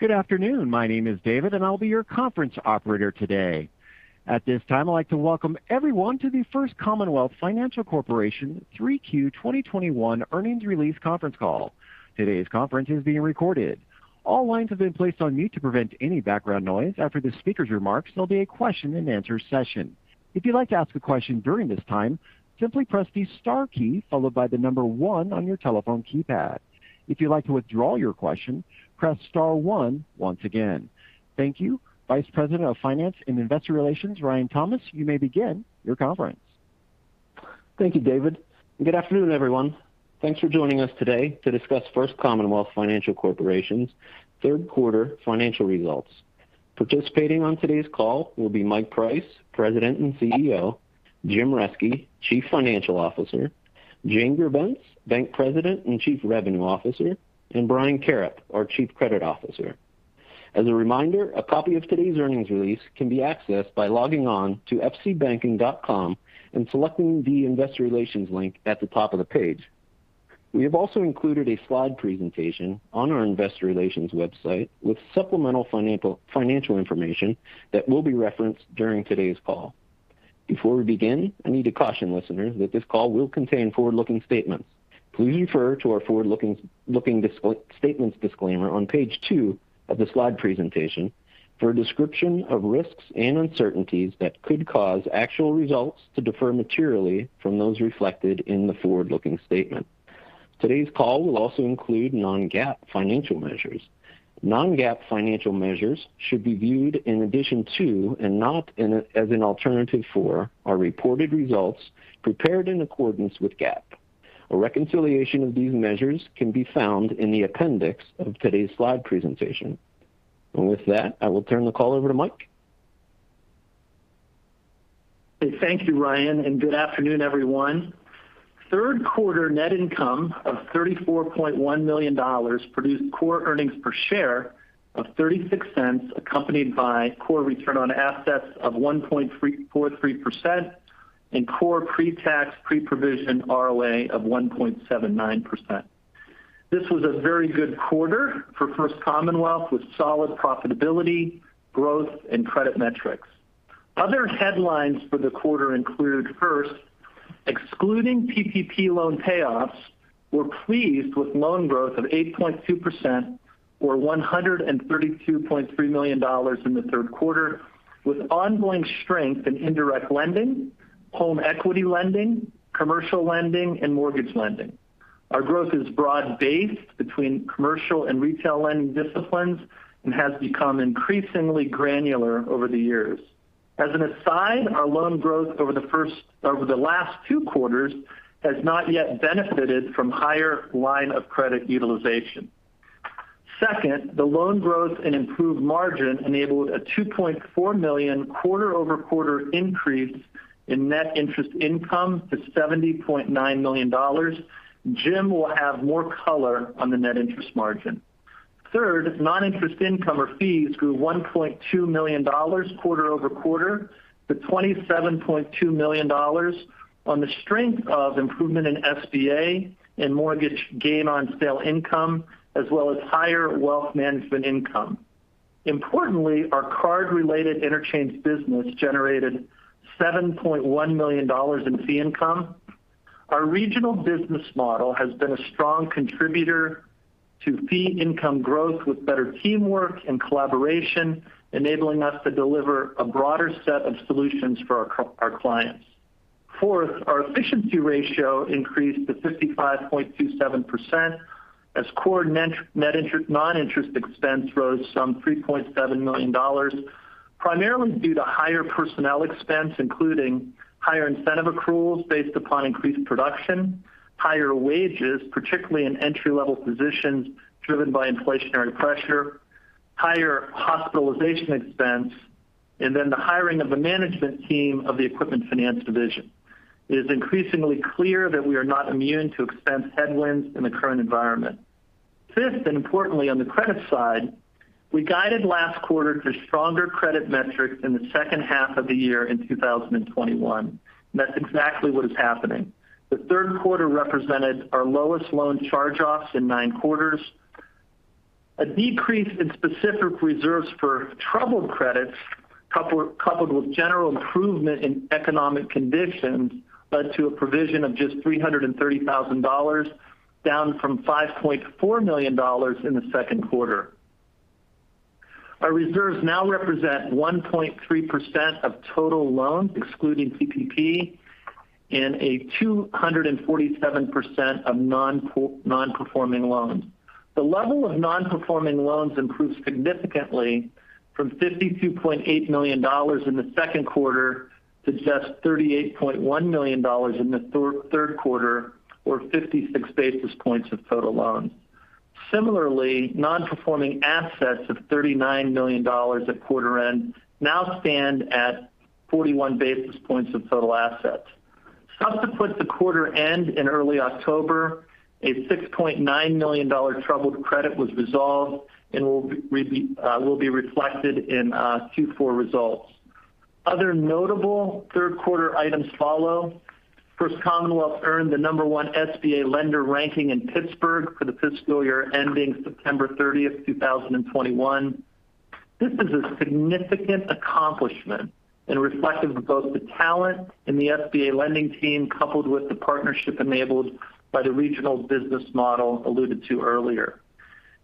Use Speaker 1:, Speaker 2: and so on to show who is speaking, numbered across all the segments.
Speaker 1: Good afternoon. My name is David, and I'll be your conference operator today. At this time, I'd like to welcome everyone to the First Commonwealth Financial Corporation Q3 2021 earnings release conference call. Today's conference is being recorded. All lines have been placed on mute to prevent any background noise. After the speaker's remarks, there'll be a question and answer session. If you'd like to ask a question during this time, simply press the star key followed by the number one on your telephone keypad. If you'd like to withdraw your question, press star one once again. Thank you. Vice President of Finance and Investor Relations, Ryan Thomas, you may begin your conference.
Speaker 2: Thank you, David. Good afternoon, everyone. Thanks for joining us today to discuss First Commonwealth Financial Corporation's third quarter financial results. Participating on today's call will be Mike Price, President and CEO, Jim Reske, Chief Financial Officer, Jane Grebenc, Bank President and Chief Revenue Officer, and Brian Sohocki, our Chief Credit Officer. As a reminder, a copy of today's earnings release can be accessed by logging on to fcbanking.com and selecting the Investor Relations link at the top of the page. We have also included a slide presentation on our Investor Relations website with supplemental financial information that will be referenced during today's call. Before we begin, I need to caution listeners that this call will contain forward-looking statements. Please refer to our forward-looking statements disclaimer on page two of the slide presentation for a description of risks and uncertainties that could cause actual results to differ materially from those reflected in the forward-looking statement. Today's call will also include non-GAAP financial measures. Non-GAAP financial measures should be viewed in addition to and not as an alternative for our reported results prepared in accordance with GAAP. A reconciliation of these measures can be found in the appendix of today's slide presentation. With that, I will turn the call over to Mike.
Speaker 3: Thank you, Ryan, and good afternoon, everyone. Third quarter net income of $34.1 million produced core earnings per share of $0.36, accompanied by core return on assets of 1.343% and core pre-tax, pre-provision ROA of 1.79%. This was a very good quarter for First Commonwealth with solid profitability, growth, and credit metrics. Other headlines for the quarter included, first, excluding PPP loan payoffs, we're pleased with loan growth of 8.2% or $132.3 million in the third quarter, with ongoing strength in indirect lending, home equity lending, commercial lending, and mortgage lending. Our growth is broad-based between commercial and retail lending disciplines and has become increasingly granular over the years. As an aside, our loan growth over the last two quarters has not yet benefited from higher line of credit utilization. Second, the loan growth and improved margin enabled a $2.4 million quarter-over-quarter increase in net interest income to $70.9 million. Jim will have more color on the net interest margin. Third, non-interest income or fees grew $1.2 million quarter-over-quarter to $27.2 million on the strength of improvement in SBA and mortgage gain on sale income, as well as higher wealth management income. Importantly, our card-related interchange business generated $7.1 million in fee income. Our regional business model has been a strong contributor to fee income growth with better teamwork and collaboration, enabling us to deliver a broader set of solutions for our clients. Fourth, our efficiency ratio increased to 55.27% as core noninterest expense rose some $3.7 million, primarily due to higher personnel expense, including higher incentive accruals based upon increased production, higher wages, particularly in entry-level positions driven by inflationary pressure, higher hospitalization expense, and then the hiring of a management team of the equipment finance division. It is increasingly clear that we are not immune to expense headwinds in the current environment. Fifth, and importantly on the credit side, we guided last quarter to stronger credit metrics in the second half of the year in 2021. That's exactly what is happening. The third quarter represented our lowest loan charge-offs in nine quarters. A decrease in specific reserves for troubled credits coupled with general improvement in economic conditions led to a provision of just $330,000, down from $5.4 million in the second quarter. Our reserves now represent 1.3% of total loans, excluding PPP, and 247% of non-performing loans. The level of non-performing loans improved significantly from $52.8 million in the second quarter to just $38.1 million in the third quarter or 56 basis points of total loans. Similarly, non-performing assets of $39 million at quarter end now stand at 41 basis points of total assets. Subsequent to quarter end in early October, a $6.9 million troubled credit was resolved and will be reflected in Q4 results. Other notable third quarter items follow. First Commonwealth earned the number one SBA lender ranking in Pittsburgh for the fiscal year ending September 30th, 2021. This is a significant accomplishment and reflective of both the talent in the SBA lending team, coupled with the partnership enabled by the regional business model alluded to earlier.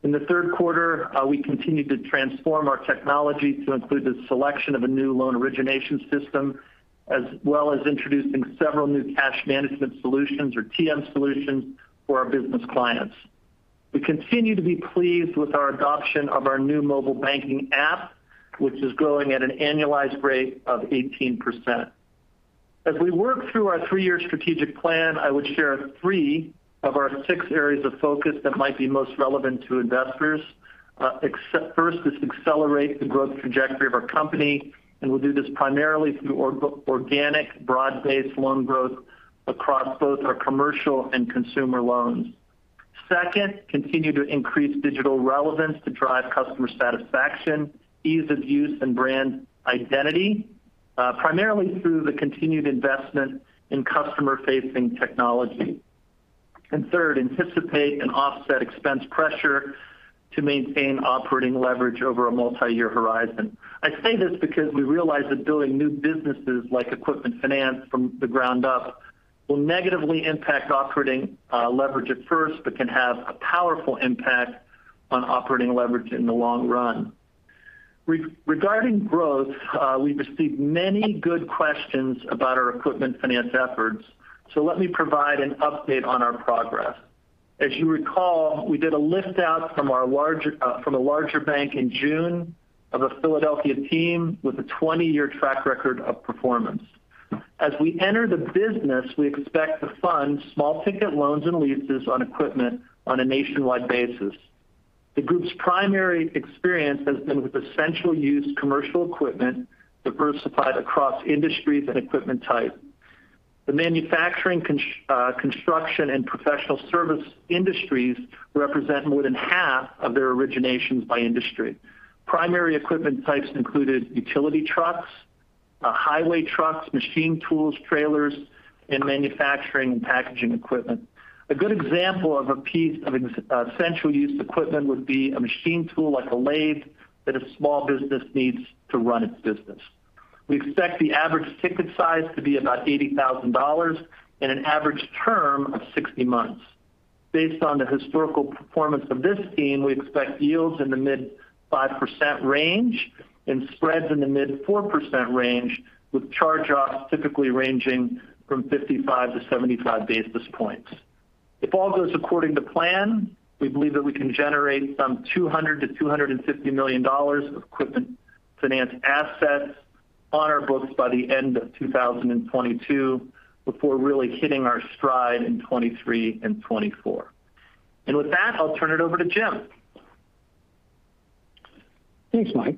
Speaker 3: In the third quarter, we continued to transform our technology to include the selection of a new loan origination system, as well as introducing several new cash management solutions or TM solutions for our business clients. We continue to be pleased with our adoption of our new mobile banking app, which is growing at an annualized rate of 18%. As we work through our three-year strategic plan, I would share three of our six areas of focus that might be most relevant to investors. First is accelerate the growth trajectory of our company, and we'll do this primarily through organic broad-based loan growth across both our commercial and consumer loans. Second, continue to increase digital relevance to drive customer satisfaction, ease of use and brand identity, primarily through the continued investment in customer-facing technology. Third, anticipate and offset expense pressure to maintain operating leverage over a multi-year horizon. I say this because we realize that building new businesses like equipment finance from the ground up will negatively impact operating leverage at first, but can have a powerful impact on operating leverage in the long run. Regarding growth, we've received many good questions about our equipment finance efforts. Let me provide an update on our progress. As you recall, we did a lift out from a larger bank in June of a Philadelphia team with a 20-year track record of performance. As we enter the business, we expect to fund small ticket loans and leases on equipment on a nationwide basis. The group's primary experience has been with essential use commercial equipment diversified across industries and equipment type. The manufacturing, construction and professional service industries represent more than half of their originations by industry. Primary equipment types included utility trucks, highway trucks, machine tools, trailers, and manufacturing and packaging equipment. A good example of a piece of essential use equipment would be a machine tool like a lathe that a small business needs to run its business. We expect the average ticket size to be about $80,000 and an average term of 60 months. Based on the historical performance of this team, we expect yields in the mid-5% range and spreads in the mid-4% range, with charge-offs typically ranging from 55-75 basis points. If all goes according to plan, we believe that we can generate some $200 million-$250 million of equipment finance assets on our books by the end of 2022, before really hitting our stride in 2023 and 2024. With that, I'll turn it over to Jim.
Speaker 4: Thanks, Mike.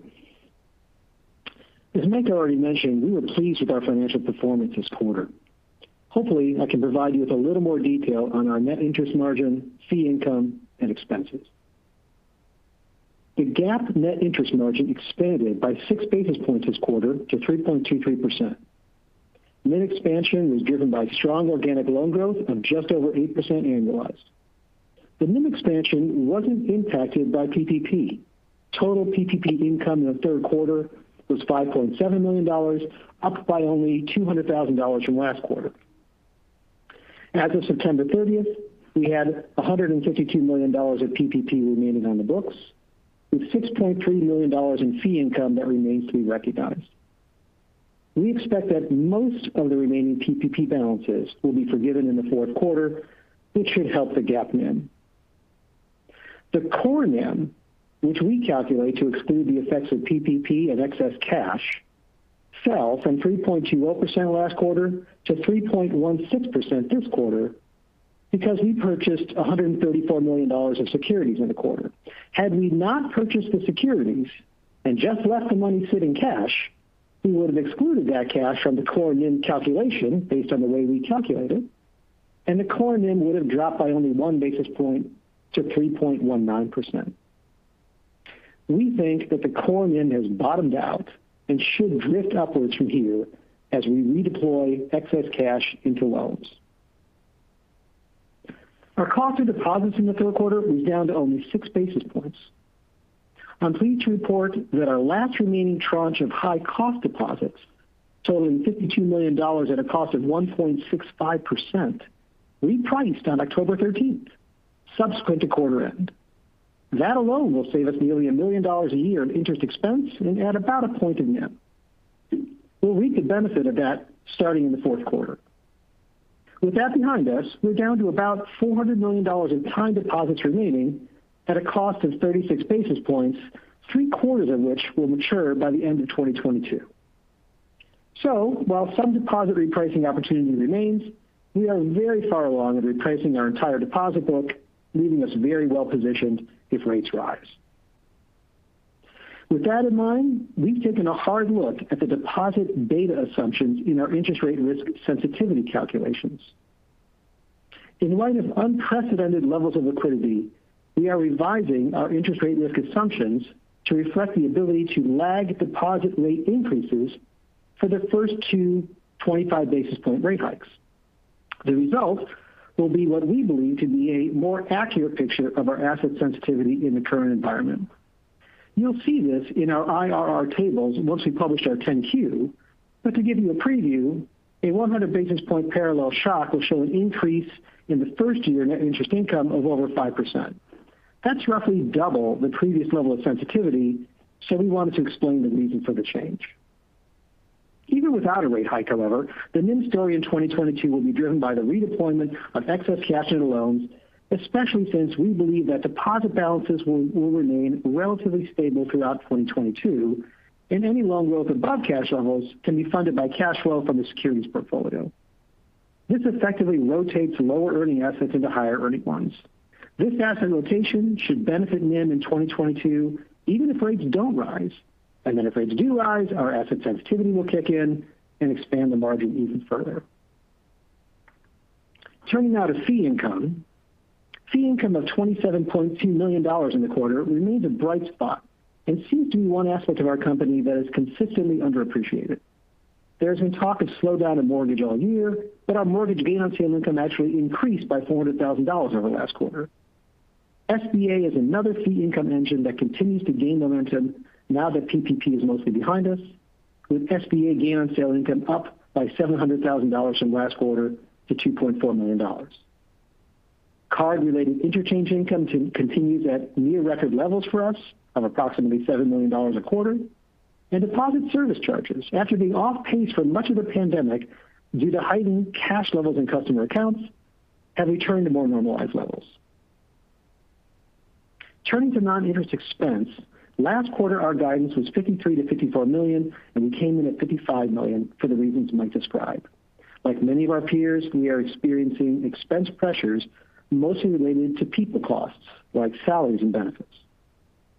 Speaker 4: As Mike already mentioned, we were pleased with our financial performance this quarter. Hopefully, I can provide you with a little more detail on our net interest margin, fee income, and expenses. The GAAP net interest margin expanded by 6 basis points this quarter to 3.23%. NIM expansion was driven by strong organic loan growth of just over 8% annualized. The NIM expansion wasn't impacted by PPP. Total PPP income in the third quarter was $5.7 million, up by only $200,000 from last quarter. As of September 30th, we had $152 million of PPP remaining on the books, with $6.3 million in fee income that remains to be recognized. We expect that most of the remaining PPP balances will be forgiven in the fourth quarter, which should help the GAAP NIM. The core NIM, which we calculate to exclude the effects of PPP and excess cash, fell from 3.20% last quarter to 3.16% this quarter because we purchased $134 million of securities in the quarter. Had we not purchased the securities and just left the money sit in cash, we would have excluded that cash from the core NIM calculation based on the way we calculate it, and the core NIM would have dropped by only 1 basis point to 3.19%. We think that the core NIM has bottomed out and should drift upwards from here as we redeploy excess cash into loans. Our cost of deposits in the third quarter was down to only 6 basis points. I'm pleased to report that our last remaining tranche of high-cost deposits totaling $52 million at a cost of 1.65% repriced on October 13th, subsequent to quarter end. That alone will save us nearly $1 million a year in interest expense and add about a point of NIM. We'll reap the benefit of that starting in the fourth quarter. With that behind us, we're down to about $400 million in time deposits remaining at a cost of 36 basis points, three-quarters of which will mature by the end of 2022. While some deposit repricing opportunity remains, we are very far along in repricing our entire deposit book, leaving us very well positioned if rates rise. With that in mind, we've taken a hard look at the deposit beta assumptions in our interest rate risk sensitivity calculations. In light of unprecedented levels of liquidity, we are revising our interest rate risk assumptions to reflect the ability to lag deposit rate increases for the first two 25 basis point rate hikes. The result will be what we believe to be a more accurate picture of our asset sensitivity in the current environment. You'll see this in our IRR tables once we publish our 10-Q. To give you a preview, a 100 basis point parallel shock will show an increase in the first year net interest income of over 5%. That's roughly double the previous level of sensitivity, so we wanted to explain the reason for the change. Even without a rate hike, however, the NIM story in 2022 will be driven by the redeployment of excess cash into loans, especially since we believe that deposit balances will remain relatively stable throughout 2022, and any loan growth above cash levels can be funded by cash flow from the securities portfolio. This effectively rotates lower earning assets into higher earning ones. This asset rotation should benefit NIM in 2022, even if rates don't rise. Then if rates do rise, our asset sensitivity will kick in and expand the margin even further. Turning now to fee income. Fee income of $27.2 million in the quarter remains a bright spot and seems to be one aspect of our company that is consistently underappreciated. There's been talk of slowdown in mortgage all year, but our mortgage gain on sale income actually increased by $400,000 over last quarter. SBA is another fee income engine that continues to gain momentum now that PPP is mostly behind us, with SBA gain on sale income up by $700,000 from last quarter to $2.4 million. Card-related interchange income continues at near record levels for us of approximately $7 million a quarter. Deposit service charges, after being off pace for much of the pandemic due to heightened cash levels in customer accounts, have returned to more normalized levels. Turning to non-interest expense. Last quarter, our guidance was $53 million-$54 million, and we came in at $55 million for the reasons Mike described. Like many of our peers, we are experiencing expense pressures mostly related to people costs, like salaries and benefits.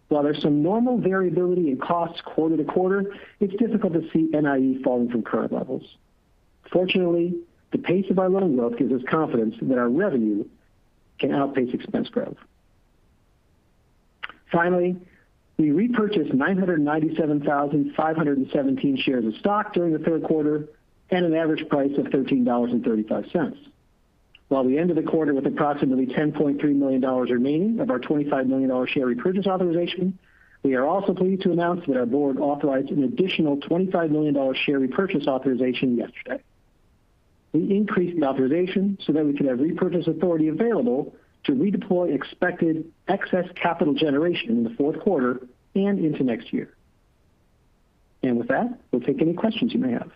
Speaker 4: While there's some normal variability in costs quarter to quarter, it's difficult to see NIE falling from current levels. Fortunately, the pace of our loan growth gives us confidence that our revenue can outpace expense growth. Finally, we repurchased 997,517 shares of stock during the third quarter at an average price of $13.35. While we ended the quarter with approximately $10.3 million remaining of our $25 million share repurchase authorization, we are also pleased to announce that our board authorized an additional $25 million share repurchase authorization yesterday. We increased the authorization so that we could have repurchase authority available to redeploy expected excess capital generation in the fourth quarter and into next year. With that, we'll take any questions you may have.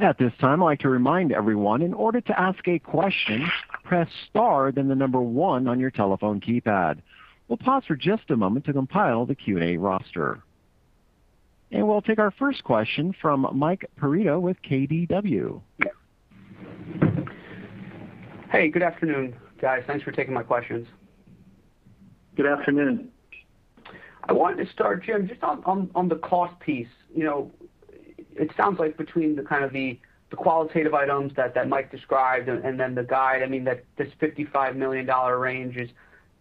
Speaker 1: At this time, I'd like to remind everyone in order to ask a question, press star then the number one on your telephone keypad. We'll pause for just a moment to compile the QA roster. We'll take our first question from Mike Perito with KBW.
Speaker 5: Hey, good afternoon, guys. Thanks for taking my questions.
Speaker 4: Good afternoon.
Speaker 5: I wanted to start, Jim, just on the cost piece. You know, it sounds like between the qualitative items that Mike described and then the guide, I mean, that this $55 million range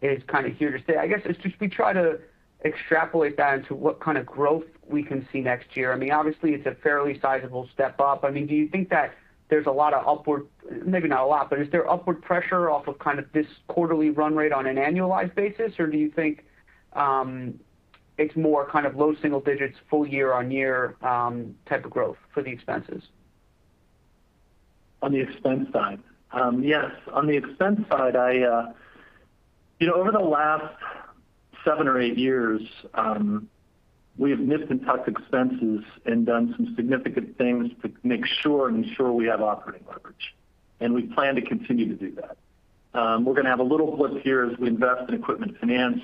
Speaker 5: is kind of here to stay. I guess it's just we try to extrapolate that into what kind of growth we can see next year. I mean, obviously it's a fairly sizable step up. I mean, do you think that there's a lot of upward, maybe not a lot, but is there upward pressure off of kind of this quarterly run rate on an annualized basis? Or do you think it's more kind of low single digits full year-on-year type of growth for the expenses?
Speaker 3: On the expense side? Yes. On the expense side, you know, over the last seven or eight years, we have nipped and tucked expenses and done some significant things to make sure and ensure we have operating leverage, and we plan to continue to do that. We're going to have a little blip here as we invest in equipment finance,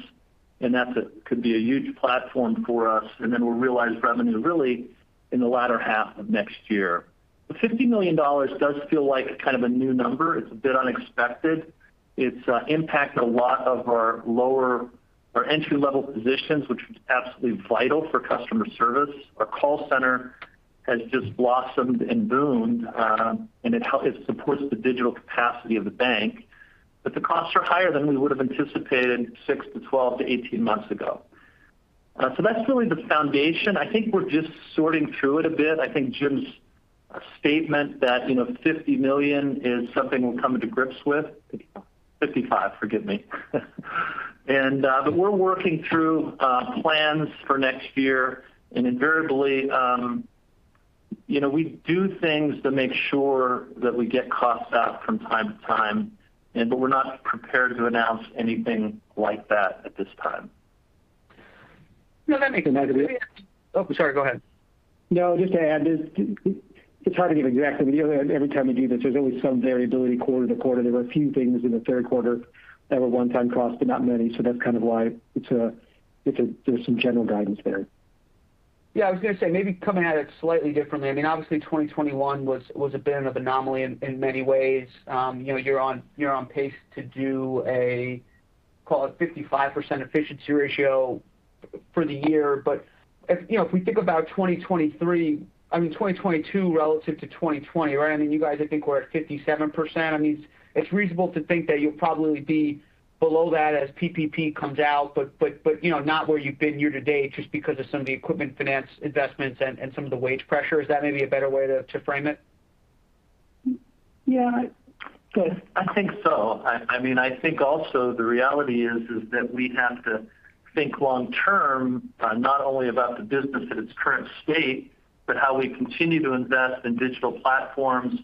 Speaker 3: and that could be a huge platform for us, and then we'll realize revenue really in the latter half of next year. The $50 million does feel like kind of a new number. It's a bit unexpected. It's impacted a lot of our entry-level positions, which is absolutely vital for customer service. Our call center has just blossomed and boomed, and it supports the digital capacity of the bank. The costs are higher than we would've anticipated 6 to 12 to 18 months ago. That's really the foundation. I think we're just sorting through it a bit. I think Jim's statement that, you know, $50 million is something we're coming to grips with.
Speaker 4: 55, forgive me.
Speaker 3: We're working through plans for next year. Invariably, you know, we do things to make sure that we get costs out from time to time, but we're not prepared to announce anything like that at this time.
Speaker 5: No, that makes a lot of sense. Oh, sorry, go ahead.
Speaker 4: No, just to add, it's hard to give exact, you know, every time we do this, there's always some variability quarter-to-quarter. There were a few things in the third quarter that were one-time costs, but not many. That's kind of why it's a, there's some general guidance there.
Speaker 5: Yeah, I was going to say, maybe coming at it slightly differently. I mean, obviously 2021 was a bit of anomaly in many ways. You know, you're on pace to do, call it 55% efficiency ratio for the year. If you know, if we think about 2023—I mean, 2022 relative to 2020, right? I mean, you guys, I think we're at 57%. I mean, it's reasonable to think that you'll probably be below that as PPP comes out, but you know, not where you've been year-to-date just because of some of the equipment finance investments and some of the wage pressure. Is that maybe a better way to frame it?
Speaker 3: Yeah. Go ahead. I think so. I mean, I think also the reality is that we have to think long-term, not only about the business at its current state, but how we continue to invest in digital platforms,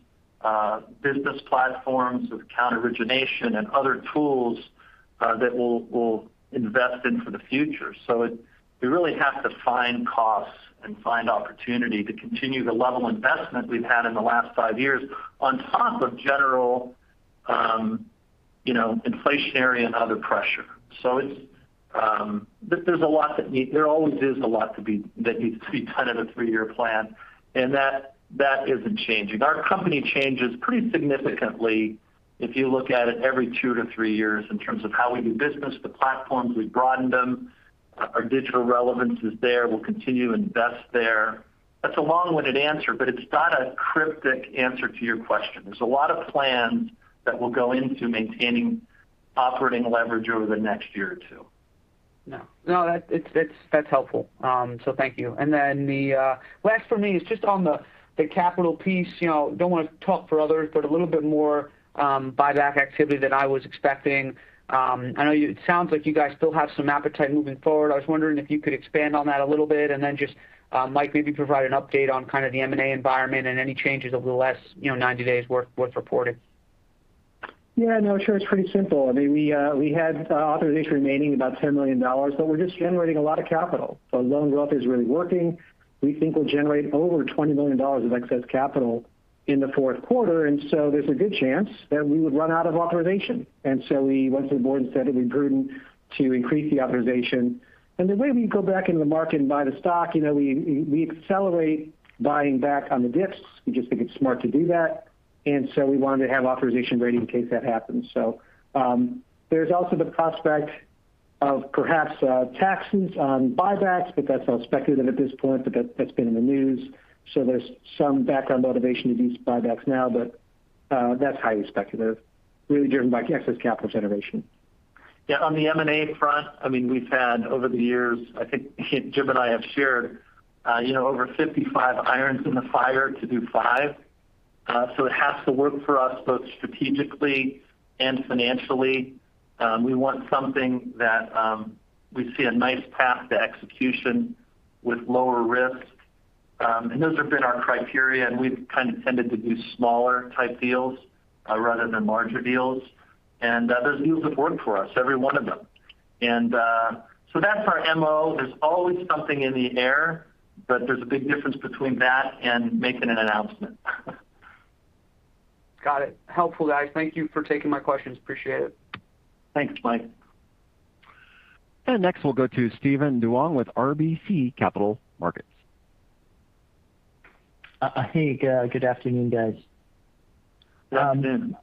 Speaker 3: business platforms with account origination and other tools, that we'll invest in for the future. We really have to find costs and find opportunity to continue the level investment we've had in the last five years on top of general, you know, inflationary and other pressure. So it's, there's a lot that needs to be done in a three-year plan, and that isn't changing. Our company changes pretty significantly if you look at it every two to three years in terms of how we do business, the platforms we broaden them. Our digital relevance is there. We'll continue to invest there. That's a long-winded answer, but it's not a cryptic answer to your question. There's a lot of plans that will go into maintaining operating leverage over the next year or two.
Speaker 5: No, that's helpful. Thank you. The last for me is just on the capital piece. You know, don't want to talk for others, but a little bit more buyback activity than I was expecting. I know it sounds like you guys still have some appetite moving forward. I was wondering if you could expand on that a little bit. Just Mike, maybe provide an update on kind of the M&A environment and any changes over the last, you know, 90 days worth reporting.
Speaker 3: Yeah, no, sure. It's pretty simple. I mean, we had authorization remaining about $10 million, but we're just generating a lot of capital. Loan growth is really working. We think we'll generate over $20 million of excess capital in the fourth quarter, and there's a good chance that we would run out of authorization. We went to the board and said it'd be prudent to increase the authorization. The way we go back into the market and buy the stock, you know, we accelerate buying back on the dips. We just think it's smart to do that. We wanted to have authorization ready in case that happens. There's also the prospect of perhaps taxes on buybacks, but that's all speculative at this point, but that's been in the news. There's some background motivation to these buybacks now, but that's highly speculative, really driven by excess capital generation. On the M&A front, I mean, we've had over the years, I think Jim and I have shared, over 55 irons in the fire to do five. It has to work for us both strategically and financially. We want something that we see a nice path to execution with lower risk. Those have been our criteria, and we've kind of tended to do smaller type deals rather than larger deals. Those deals have worked for us, every one of them. That's our MO. There's always something in the air, but there's a big difference between that and making an announcement.
Speaker 5: Got it. Helpful, guys. Thank you for taking my questions. Appreciate it.
Speaker 3: Thanks, Mike.
Speaker 1: Next, we'll go to Steven Duong with RBC Capital Markets.
Speaker 6: Hey, good afternoon, guys.
Speaker 3: Good afternoon.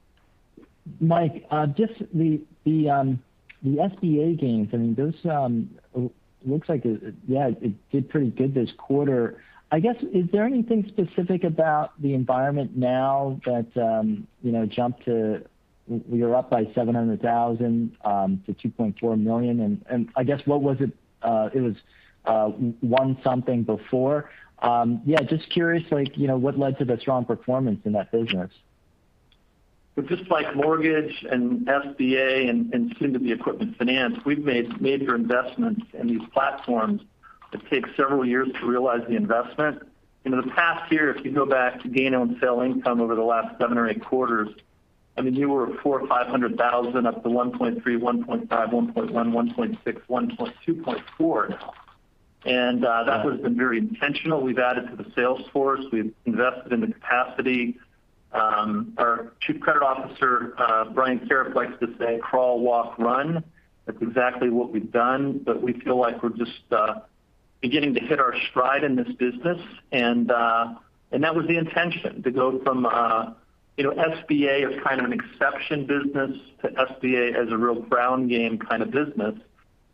Speaker 6: Mike, just the SBA gains, I mean, those looks like, yeah, it did pretty good this quarter. I guess is there anything specific about the environment now that you know you're up by $700,000-$2.4 million? I guess what was it? It was $1.7 million before. Yeah, just curious, like you know what led to the strong performance in that business?
Speaker 3: Just like mortgage and SBA and soon to be equipment finance, we've made major investments in these platforms that take several years to realize the investment. You know, the past year, if you go back to gain on sale income over the last seven or eight quarters, I mean, you were $400,000 or $500,000, up to $1.3 million, $1.5 million, $1.1 million, $1.6 million, $2.4 million now. That has been very intentional. We've added to the sales force. We've invested in the capacity. Our Chief Credit Officer, Brian Sohocki likes to say crawl, walk, run. That's exactly what we've done. We feel like we're just beginning to hit our stride in this business. that was the intention, to go from, you know, SBA as kind of an exception business to SBA as a real ground game kind of business.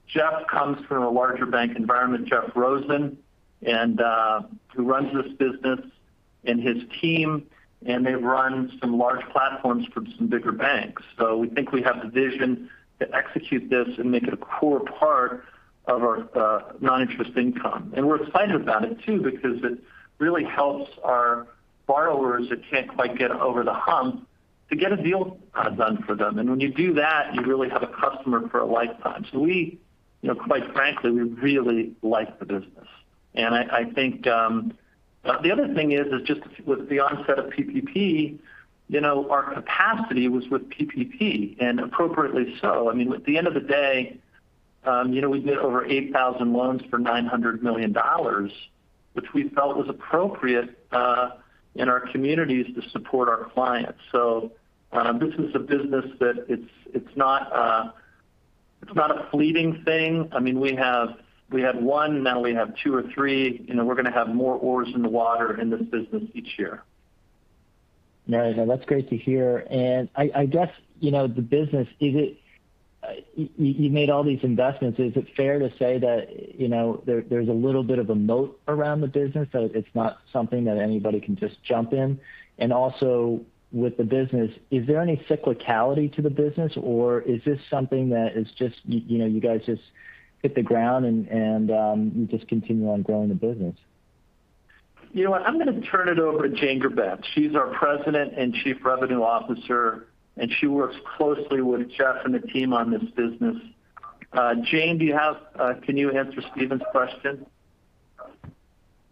Speaker 3: Jeff comes from a larger bank environment, Jeff Rosen, and who runs this business and his team, and they've run some large platforms for some bigger banks. we think we have the vision to execute this and make it a core part of our non-interest income. we're excited about it too because it really helps our borrowers that can't quite get over the hump to get a deal kind of done for them. when you do that, you really have a customer for a lifetime. we, you know, quite frankly, we really like the business. I think... The other thing is just with the onset of PPP, you know, our capacity was with PPP, and appropriately so. I mean, at the end of the day, you know, we did over 8,000 loans for $900 million, which we felt was appropriate in our communities to support our clients. This is a business that it's not a fleeting thing. I mean, we had one, now we have two or three. You know, we're going to have more oars in the water in this business each year.
Speaker 6: No, no, that's great to hear. I guess, you know, the business, you made all these investments, is it fair to say that, you know, there's a little bit of a moat around the business, so it's not something that anybody can just jump in? Also, with the business, is there any cyclicality to the business, or is this something that is just, you know, you guys just hit the ground and you just continue on growing the business?
Speaker 3: You know what, I'm gonna turn it over to Jane Grebenc. She's our President and Chief Revenue Officer, and she works closely with Jeff and the team on this business. Jane, can you answer Steven's question?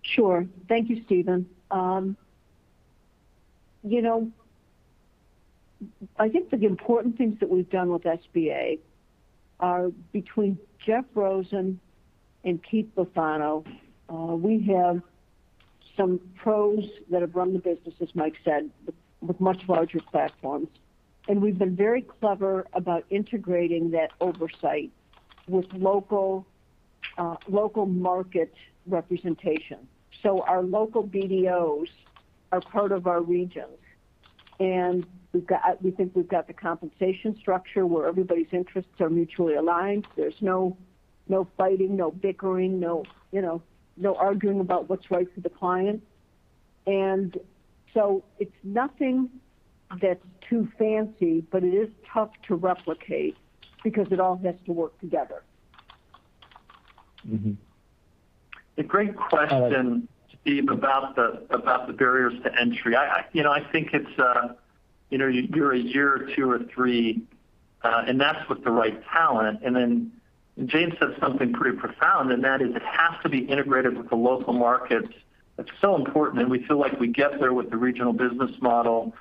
Speaker 7: Sure. Thank you, Steven. You know, I think the important things that we've done with SBA are between Jeff Rosen and Keith Bufano. We have some pros that have run the business, as Mike said, with much larger platforms. We've been very clever about integrating that oversight with local market representation. Our local BDOs are part of our regions. We think we've got the compensation structure where everybody's interests are mutually aligned. There's no fighting, no bickering, you know, no arguing about what's right for the client. It's nothing that's too fancy, but it is tough to replicate because it all has to work together.
Speaker 6: Mm-hmm.
Speaker 3: A great question, Steven, about the barriers to entry. You know, I think it's a year or two or three, and that's with the right talent. Then Jane said something pretty profound, and that is it has to be integrated with the local markets. That's so important, and we feel like we get there with the regional business model.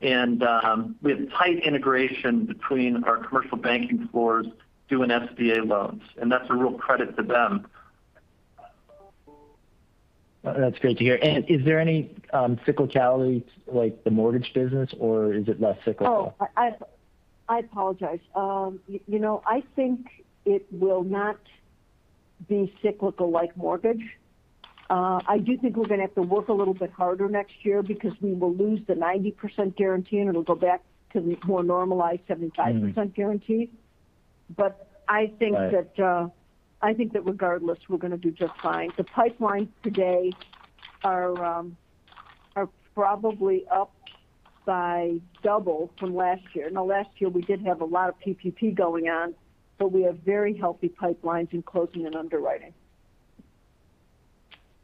Speaker 3: We have tight integration between our commercial banking floors doing SBA loans, and that's a real credit to them.
Speaker 6: That's great to hear. Is there any cyclicality like the mortgage business or is it less cyclical?
Speaker 7: Oh, I apologize. You know, I think it will not be cyclical like mortgage. I do think we're gonna have to work a little bit harder next year because we will lose the 90% guarantee, and it'll go back to the more normalized 75% guarantee.
Speaker 6: Mm.
Speaker 7: I think that.
Speaker 6: Right.
Speaker 7: I think that regardless, we're gonna do just fine. The pipelines today are probably up by double from last year. Now last year we did have a lot of PPP going on, but we have very healthy pipelines in closing and underwriting.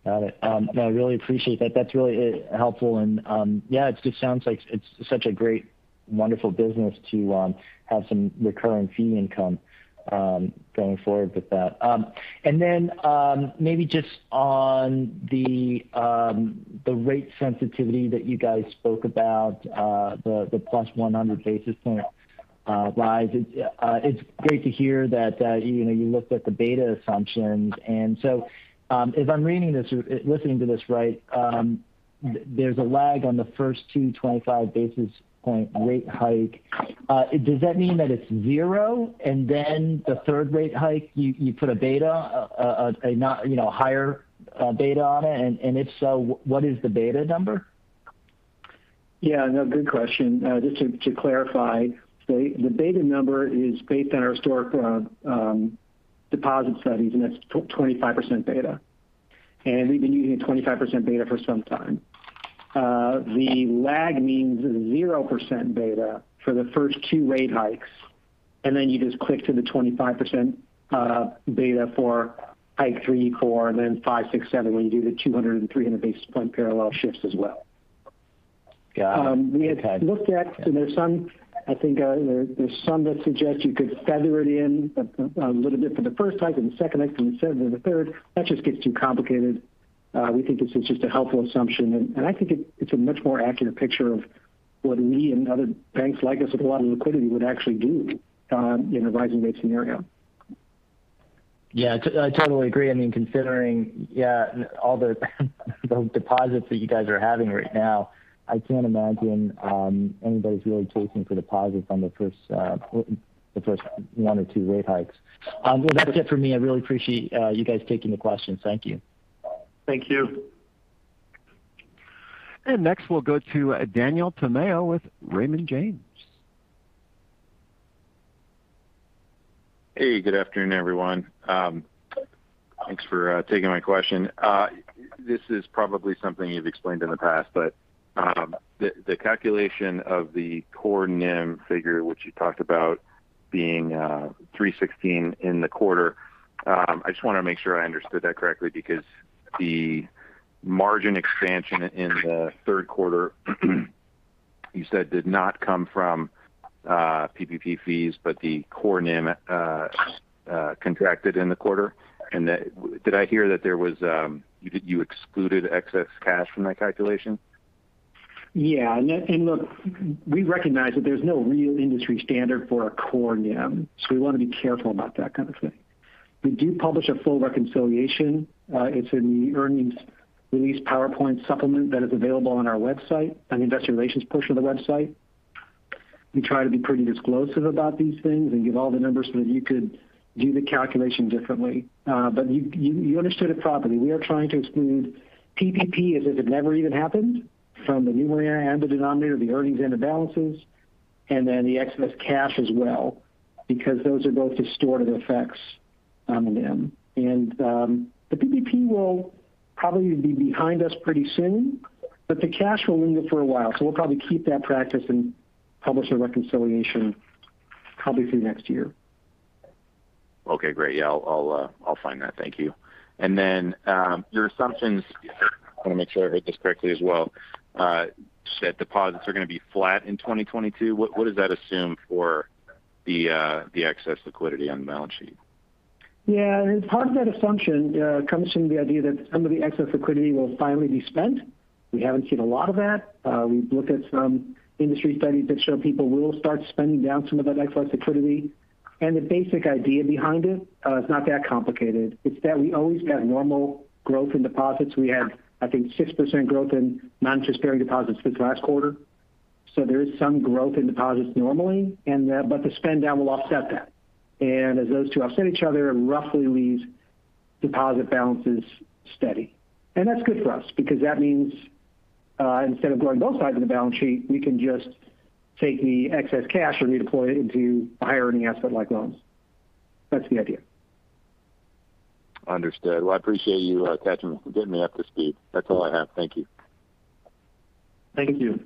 Speaker 6: Got it. No, I really appreciate that. That's really helpful and yeah, it just sounds like it's such a great, wonderful business to have some recurring fee income going forward with that. Maybe just on the rate sensitivity that you guys spoke about, the plus 100 basis point rise. It's great to hear that, you know, you looked at the beta assumptions. If I'm reading this or listening to this right, there's a lag on the first two 25 basis point rate hike. Does that mean that it's zero and then the third rate hike you put a beta, you know, higher beta on it? If so, what is the beta number?
Speaker 4: Yeah, no, good question. Just to clarify, the beta number is based on our historic deposit studies, and that's 25% beta. We've been using a 25% beta for some time. The lag means 0% beta for the first two rate hikes, and then you just click to the 25% beta for hike three, four, and then five, six, seven, when you do the 200 and 300 basis point parallel shifts as well.
Speaker 6: Got it. Okay.
Speaker 4: We have looked at, and there's some that suggest you could feather it in a little bit for the first hike and the second hike and the seventh and the third. That just gets too complicated. We think this is just a helpful assumption. I think it's a much more accurate picture of what we and other banks like us with a lot of liquidity would actually do in a rising rate scenario.
Speaker 6: Yeah, I totally agree. I mean, considering yeah, all the deposits that you guys are having right now, I can't imagine anybody's really chasing for deposits on the first one or two rate hikes. Well, that's it for me. I really appreciate you guys taking the questions. Thank you.
Speaker 3: Thank you.
Speaker 1: Next we'll go to Daniel Tamayo with Raymond James.
Speaker 8: Hey, good afternoon, everyone. Thanks for taking my question. This is probably something you've explained in the past, but the calculation of the core NIM figure which you talked about being 3.16% in the quarter, I just wanna make sure I understood that correctly because the margin expansion in the third quarter you said did not come from PPP fees, but the core NIM contracted in the quarter. Did I hear that you excluded excess cash from that calculation?
Speaker 4: Yeah. Look, we recognize that there's no real industry standard for a core NIM, so we wanna be careful about that kind of thing. We do publish a full reconciliation. It's in the earnings release PowerPoint supplement that is available on our website, on the investor relations portion of the website. We try to be pretty disclosive about these things and give all the numbers so that you could do the calculation differently. But you understood it properly. We are trying to exclude PPP as if it never even happened from the numerator and the denominator, the earnings and the balances, and then the excess cash as well, because those are both distortive effects on them. The PPP will probably be behind us pretty soon, but the cash will linger for a while, so we'll probably keep that practice and publish a reconciliation probably through next year.
Speaker 8: Okay, great. Yeah. I'll find that. Thank you. Your assumptions, I want to make sure I heard this correctly as well, said deposits are going to be flat in 2022. What does that assume for the excess liquidity on the balance sheet?
Speaker 4: Yeah. Part of that assumption comes from the idea that some of the excess liquidity will finally be spent. We haven't seen a lot of that. We've looked at some industry studies that show people will start spending down some of that excess liquidity. The basic idea behind it is not that complicated. It's that we always got normal growth in deposits. We had, I think, 6% growth in non-interest-bearing deposits this last quarter. There is some growth in deposits normally, and, but the spend down will offset that. As those two offset each other, it roughly leaves deposit balances steady. That's good for us because that means, instead of growing both sides of the balance sheet, we can just take the excess cash and redeploy it into higher earning asset like loans. That's the idea.
Speaker 8: Understood. Well, I appreciate you getting me up to speed. That's all I have. Thank you.
Speaker 3: Thank you.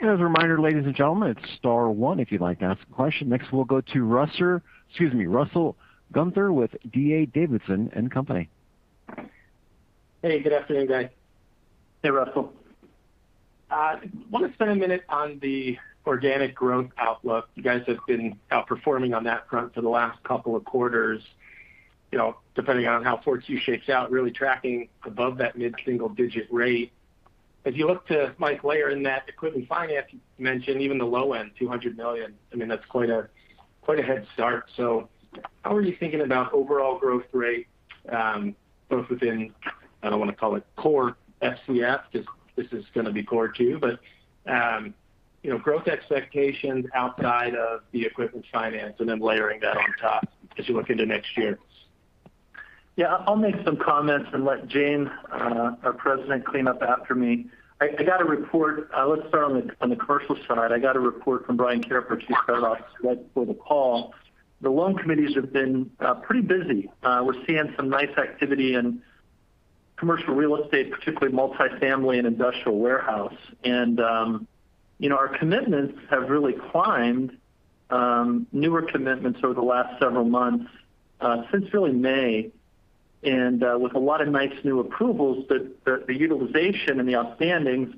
Speaker 1: As a reminder, ladies and gentlemen, it's star one if you'd like to ask a question. Next, we'll go to Russell Gunther with D.A. Davidson & Co.
Speaker 9: Hey, good afternoon, guys.
Speaker 3: Hey, Russell.
Speaker 9: I want to spend a minute on the organic growth outlook. You guys have been outperforming on that front for the last couple of quarters, you know, depending on how Q2 shakes out, really tracking above that mid-single digit rate. If you look to Mike Layer in that equipment finance, you mentioned even the low end, $200 million. I mean, that's quite a head start. How are you thinking about overall growth rate, both within, I don't want to call it core FCF because this is going to be core too, but, you know, growth expectations outside of the equipment finance and then layering that on top as you look into next year?
Speaker 3: Yeah. I'll make some comments and let Jane, our president, clean up after me. I got a report. Let's start on the commercial side. I got a report from Brian Karrip just right before the call. The loan committees have been pretty busy. We're seeing some nice activity in commercial real estate, particularly multifamily and industrial warehouse. You know, our commitments have really climbed, newer commitments over the last several months since really May. With a lot of nice new approvals that the utilization and the outstandings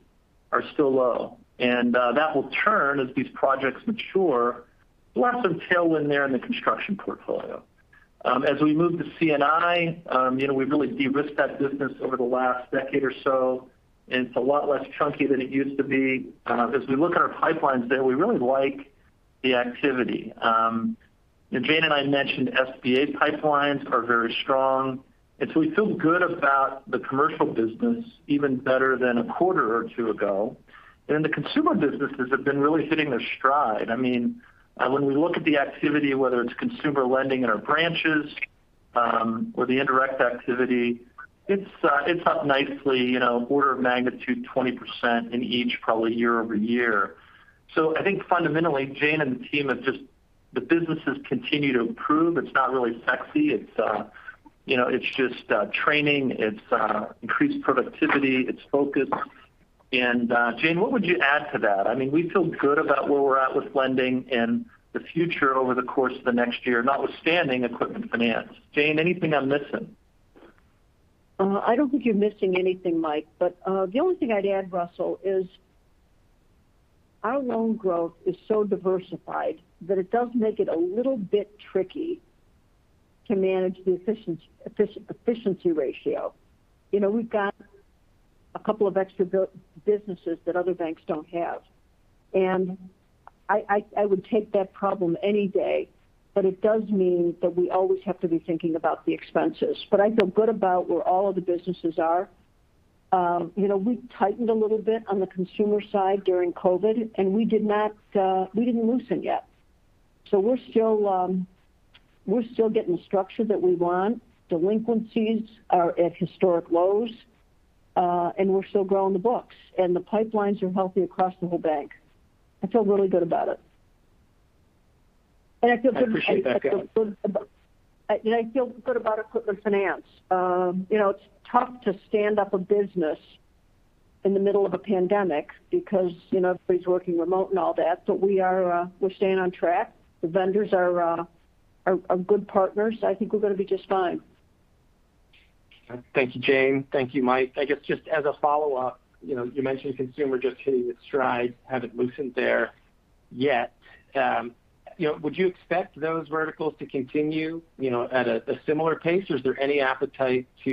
Speaker 3: are still low. That will turn as these projects mature. Lots of tailwind there in the construction portfolio. As we move to C&I, you know, we've really de-risked that business over the last decade or so, and it's a lot less chunky than it used to be. As we look at our pipelines there, we really like the activity. Jane and I mentioned SBA pipelines are very strong, and so we feel good about the commercial business even better than a quarter or two ago. The consumer businesses have been really hitting their stride. I mean, when we look at the activity, whether it's consumer lending in our branches, or the indirect activity, it's up nicely, you know, order of magnitude 20% in each probably year-over-year. I think fundamentally, Jane and the team have just the businesses continue to improve. It's not really sexy. It's, you know, it's just training. It's increased productivity. It's focused. Jane, what would you add to that? I mean, we feel good about where we're at with lending in the future over the course of the next year, notwithstanding equipment finance. Jane, anything I'm missing?
Speaker 7: I don't think you're missing anything, Mike. The only thing I'd add, Russell, is our loan growth is so diversified that it does make it a little bit tricky to manage the efficiency ratio. You know, we've got a couple of extra businesses that other banks don't have. I would take that problem any day. It does mean that we always have to be thinking about the expenses. I feel good about where all of the businesses are. You know, we tightened a little bit on the consumer side during COVID, and we didn't loosen yet. We're still getting the structure that we want. Delinquencies are at historic lows, and we're still growing the books. The pipelines are healthy across the whole bank. I feel really good about it. I feel good about.
Speaker 9: I appreciate that, Jane.
Speaker 7: I feel good about equipment finance. You know, it's tough to stand up a business in the middle of a pandemic because, you know, everybody's working remote and all that. We are staying on track. The vendors are good partners. I think we're going to be just fine.
Speaker 9: Thank you, Jane. Thank you, Mike. I guess just as a follow-up, you know, you mentioned consumer just hitting its stride, haven't loosened there yet. You know, would you expect those verticals to continue, you know, at a similar pace? Or is there any appetite to,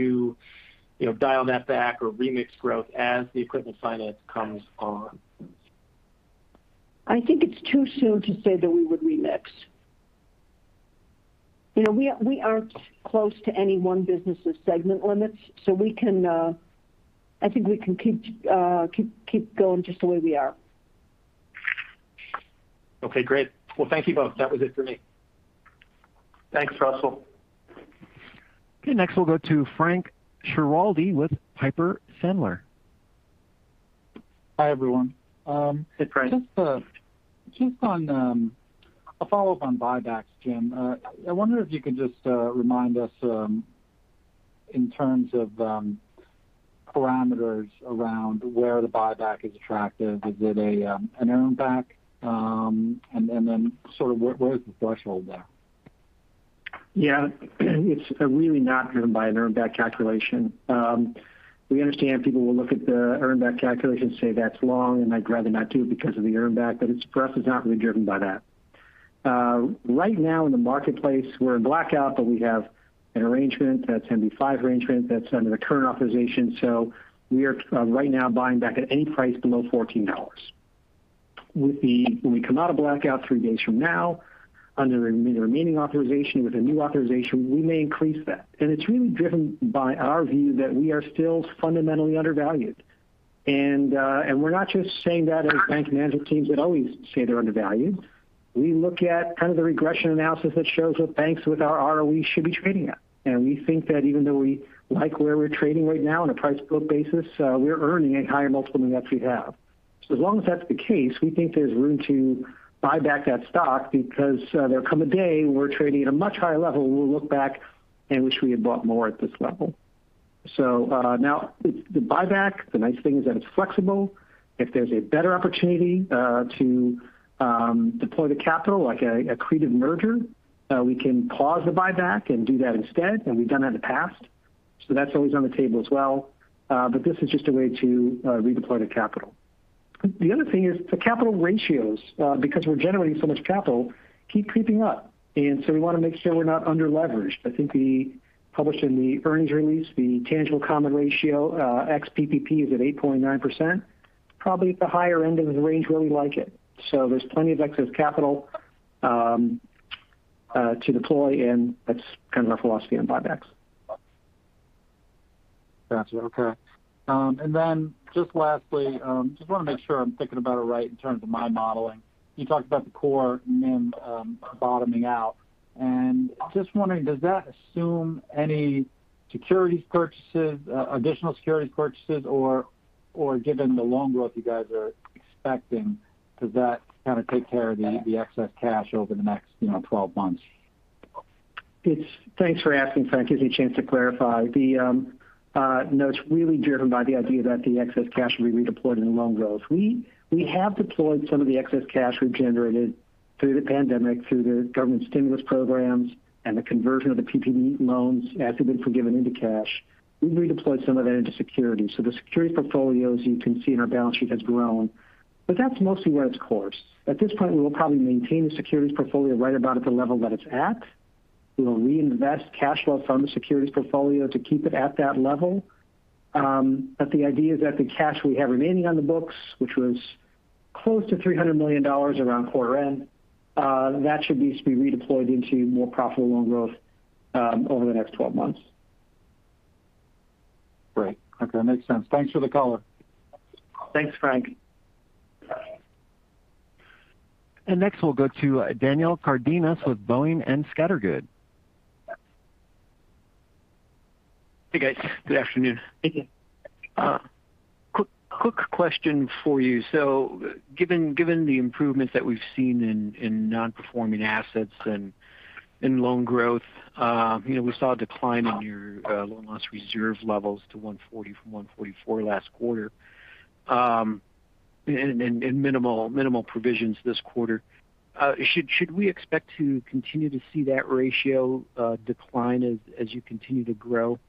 Speaker 9: you know, dial that back or remix growth as the equipment finance comes on?
Speaker 7: I think it's too soon to say that we would remix. You know, we aren't close to any one business' segment limits, so we can. I think we can keep going just the way we are.
Speaker 9: Okay, great. Well, thank you both. That was it for me.
Speaker 3: Thanks, Russell.
Speaker 1: Okay. Next, we'll go to Frank Schiraldi with Piper Sandler.
Speaker 10: Hi, everyone.
Speaker 3: Hey, Frank.
Speaker 10: Just on a follow-up on buybacks, Jim. I wonder if you could just remind us in terms of parameters around where the buyback is attractive. Is it an earn back? Sort of, where is the threshold there?
Speaker 4: Yeah. It's really not driven by an earn back calculation. We understand people will look at the earn back calculation and say, "That's long, and I'd rather not do it because of the earn back." It's for us, it's not really driven by that. Right now in the marketplace, we're in blackout, but we have an arrangement. That's 10b5-1 arrangement that's under the current authorization. So we are right now buying back at any price below $14. When we come out of blackout three days from now under the remaining authorization with a new authorization, we may increase that. It's really driven by our view that we are still fundamentally undervalued. We're not just saying that as bank management teams that always say they're undervalued. We look at kind of the regression analysis that shows what banks with our ROE should be trading at. We think that even though we like where we're trading right now on a price to book basis, we're earning a higher multiple than what we have. As long as that's the case, we think there's room to buy back that stock because there come a day we're trading at a much higher level, we'll look back and wish we had bought more at this level. Now it's the buyback, the nice thing is that it's flexible. If there's a better opportunity to deploy the capital like a accretive merger, we can pause the buyback and do that instead, and we've done that in the past. That's always on the table as well. This is just a way to redeploy the capital. The other thing is the capital ratios, because we're generating so much capital, keep creeping up, and we wanna make sure we're not under-leveraged. I think published in the earnings release, the tangible common ratio, ex PPP is at 8.9%, probably at the higher end of the range where we like it. There's plenty of excess capital to deploy, and that's kind of our philosophy on buybacks.
Speaker 10: Gotcha. Okay. And then just lastly, just wanna make sure I'm thinking about it right in terms of my modeling. You talked about the core NIM bottoming out, and just wondering, does that assume any securities purchases, additional securities purchases or given the loan growth you guys are expecting, does that kind of take care of the excess cash over the next 12 months?
Speaker 4: Thanks for asking, Frank. It gives me a chance to clarify. No, it's really driven by the idea that the excess cash will be redeployed into loan growth. We have deployed some of the excess cash we've generated through the pandemic, through the government stimulus programs and the conversion of the PPP loans after they've been forgiven into cash. We've redeployed some of that into securities. The securities portfolios you can see in our balance sheet has grown, but that's mostly where it's at. Of course. At this point, we will probably maintain the securities portfolio right about at the level that it's at. We will reinvest cash flow from the securities portfolio to keep it at that level. The idea is that the cash we have remaining on the books, which was close to $300 million around quarter end, that should be redeployed into more profitable loan growth over the next 12 months.
Speaker 10: Great. Okay. Makes sense. Thanks for the color.
Speaker 4: Thanks, Frank.
Speaker 1: Next, we'll go to Daniel Cardenas with Boenning & Scattergood.
Speaker 11: Hey, guys. Good afternoon.
Speaker 4: Hey, Dan.
Speaker 11: Quick question for you. Given the improvements that we've seen in non-performing assets and in loan growth, you know, we saw a decline in your loan loss reserve levels to 140 from 144 last quarter, and minimal provisions this quarter. Should we expect to continue to see that ratio decline as you continue to grow?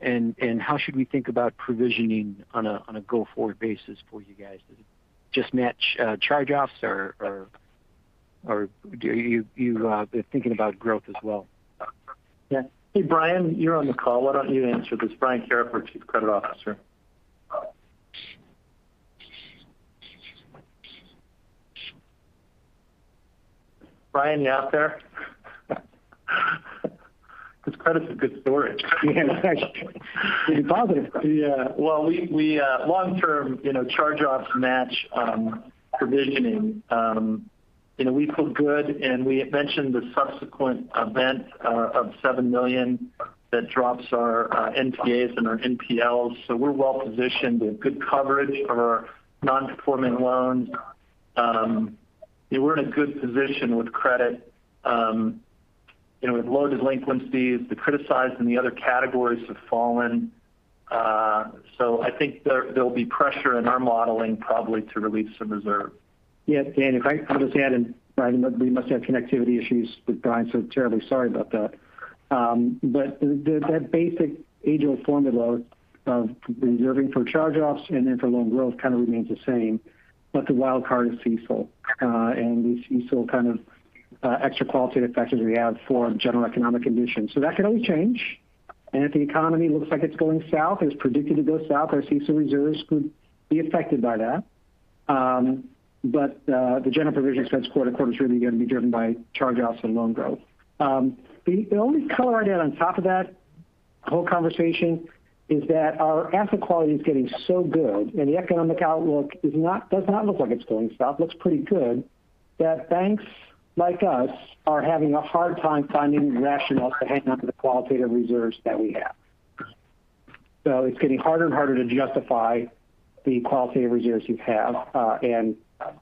Speaker 11: How should we think about provisioning on a go-forward basis for you guys? Does it just match charge-offs or do you think about growth as well?
Speaker 3: Yeah. Hey, Brian, you're on the call. Why don't you answer this? Brian Sohocki, Chief Credit Officer. Brian, you out there? This credit's a good story. Yeah.
Speaker 4: It's a positive story.
Speaker 3: Yeah. Well, we long term, you know, charge-offs match provisioning. You know, we feel good, and we had mentioned the subsequent event of $7 million that drops our NPAs and our NPLs. We're well-positioned with good coverage for non-performing loans. Yeah, we're in a good position with credit, you know, with low delinquencies. The criticized and the other categories have fallen. I think there'll be pressure in our modeling probably to release some reserve.
Speaker 4: Yeah. Dan, if I could just add in. Brian, we must have connectivity issues with Brian, so terribly sorry about that. But the that basic age-old formula of reserving for charge-offs and then for loan growth kind of remains the same, but the wild card is CECL. The CECL extra qualitative factors we have for general economic conditions. That could only change. If the economy looks like it's going south, is predicted to go south, our CECL reserves could be affected by that. The general provision expense quarter-to-quarter is really gonna be driven by charge-offs and loan growth. The only color I'd add on top of that whole conversation is that our asset quality is getting so good and the economic outlook does not look like it's going south, looks pretty good, that banks like us are having a hard time finding rationales to hang on to the qualitative reserves that we have. It's getting harder and harder to justify the qualitative reserves you have, and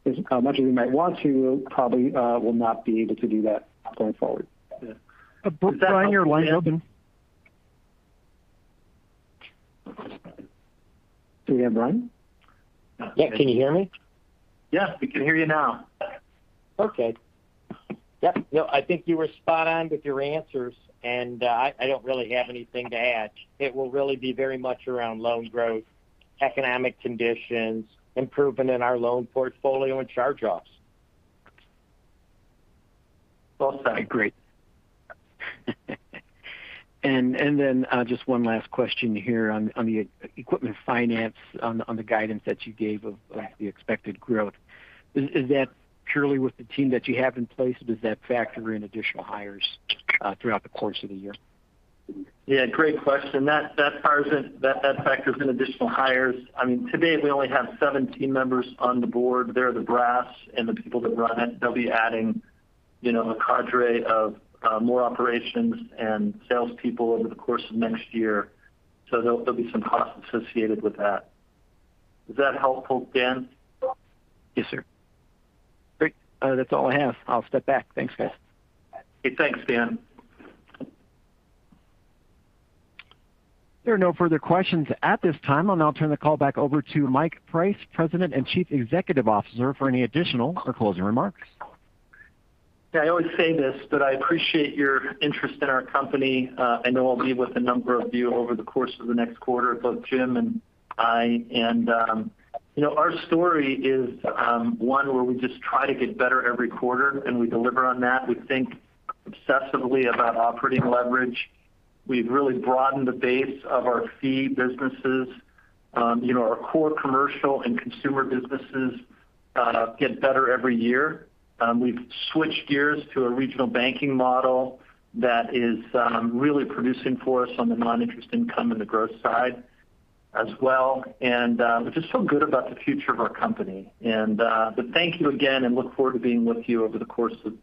Speaker 4: as much as we might want to, probably will not be able to do that going forward.
Speaker 3: Yeah. Brian, your line's open. Do we have Brian?
Speaker 1: No.
Speaker 12: Yeah. Can you hear me?
Speaker 3: Yes, we can hear you now.
Speaker 12: Okay. Yep. No, I think you were spot on with your answers, and I don't really have anything to add. It will really be very much around loan growth, economic conditions, improvement in our loan portfolio and charge-offs.
Speaker 3: Well said.
Speaker 11: Great. Then just one last question here on the equipment finance, on the guidance that you gave of the expected growth. Is that purely with the team that you have in place, or does that factor in additional hires throughout the course of the year?
Speaker 3: Yeah, great question. That factors in additional hires. I mean, today we only have seven team members on board. They're the brass and the people that run it. They'll be adding, you know, a cadre of more operations and salespeople over the course of next year. There'll be some costs associated with that. Is that helpful, Dan?
Speaker 11: Yes, sir. Great. That's all I have. I'll step back. Thanks, guys.
Speaker 3: Okay. Thanks, Dan.
Speaker 1: There are no further questions at this time. I'll now turn the call back over to Mike Price, President and Chief Executive Officer, for any additional or closing remarks.
Speaker 3: Yeah. I always say this, but I appreciate your interest in our company. I know I'll be with a number of you over the course of the next quarter, both Jim and I. You know, our story is one where we just try to get better every quarter, and we deliver on that. We think obsessively about operating leverage. We've really broadened the base of our fee businesses. You know, our core commercial and consumer businesses get better every year. We've switched gears to a regional banking model that is really producing for us on the non-interest income and the growth side as well. We just feel good about the future of our company. But thank you again and look forward to being with you over the course of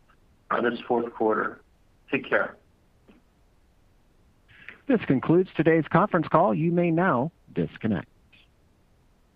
Speaker 3: this fourth quarter. Take care.
Speaker 1: This concludes today's conference call. You may now disconnect.